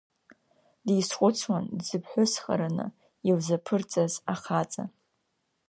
Дизхәыцуан дзыԥҳәысхараны илзаԥырҵаз ахаҵа.